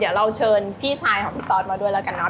เดี๋ยวเราเชิญพี่ชายของพี่ตอสมาด้วยแล้วกันเนอ